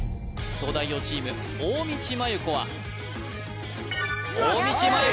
東大王チーム大道麻優子は大道麻優子